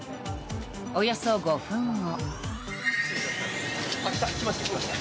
およそ５分後。